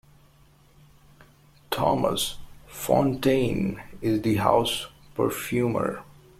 Thomas Fontaine is the house perfumer.